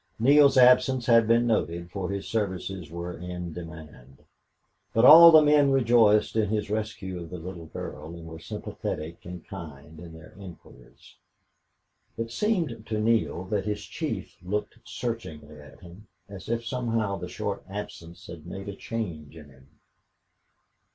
Neale's absence had been noticed, for his services were in demand. But all the men rejoiced in his rescue of the little girl, and were sympathetic and kind in their inquiries. It seemed to Neale that his chief looked searchingly at him, as if somehow the short absence had made a change in him.